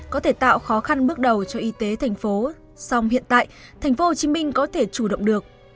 có thể tạo khó khăn bước đầu cho y tế thành phố song hiện tại tp hcm có thể chủ động được